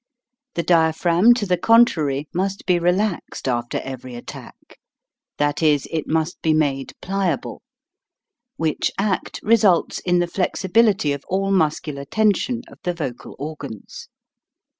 The diaphragm, to the contrary, must be relaxed after every attack, that is, it must be made pliable, which act results in the flexibility of all muscular tension of the vocal organs.